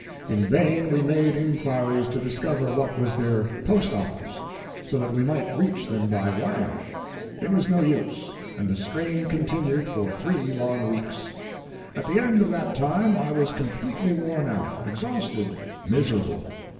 In vain we made inquiries to discover what was their Post Office, so that we might reach them by wire. It was no use, and the strain continued for three long weeks. At the end of that time I was completely worn out, exhausted, miserable.